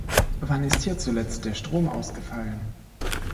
Wann ist hier zuletzt der Strom ausgefallen?